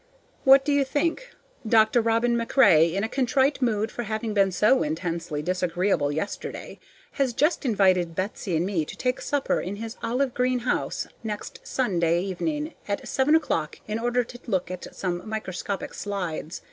What do you think? Dr. Robin MacRae, in a contrite mood for having been so intensely disagreeable yesterday, has just invited Betsy and me to take supper in his olive green house next Sunday evening at seven o'clock in order to look at some microscopic slides.